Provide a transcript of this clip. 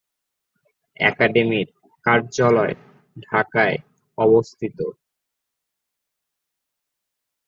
একাডেমির কার্যালয় ঢাকায় অবস্থিত।